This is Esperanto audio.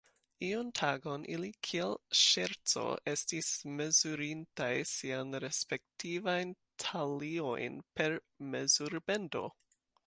Iun tagon ili kiel ŝerco estis mezurintaj siajn respektivajn taliojn per mezurbendo.